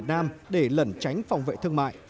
ảnh hưởng đến chất lượng lợi